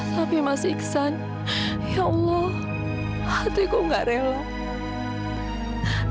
tapi mas iksan ya allah hatiku nggak rela